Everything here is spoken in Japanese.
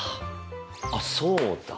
あっそうだ！